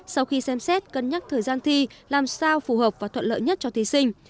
sau khi xem xét cân nhắc thời gian thi làm sao phù hợp và thuận lợi nhất cho thí sinh